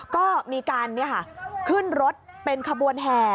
ก็มีการขึ้นรถเป็นขบวนแห่